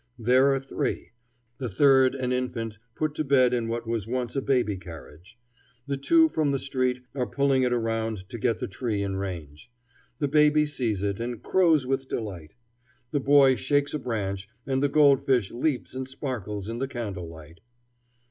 There are three the third an infant, put to bed in what was once a baby carriage. The two from the street are pulling it around to get the tree in range. The baby sees it, and crows with delight. The boy shakes a branch, and the goldfish leaps and sparkles in the candle light.